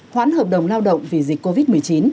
hoạt động lao động vì dịch covid một mươi chín